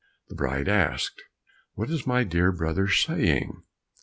The bride asked, "What is my dear brother saying?"